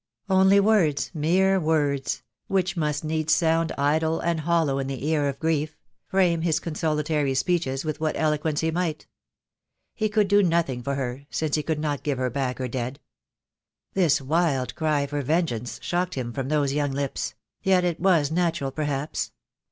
Only words, mere words — which must needs sound idle and hollow in the ear of grief, frame his consolatory speeches with what eloquence he might. He could do nothing for her, since he could not give her back her dead. This wild cry for vengeance shocked him from those young lips; yet it was natural perhaps.